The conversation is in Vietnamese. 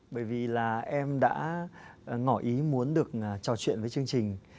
bởi vì là em đã ngỏ ý muốn được trò chuyện với chương trình